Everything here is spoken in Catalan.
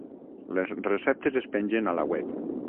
les receptes es pengen a la web